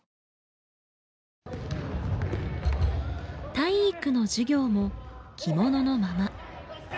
体育の授業も着物のまま。